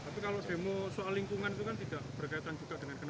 tapi kalau demo soal lingkungan itu kan tidak berkaitan juga dengan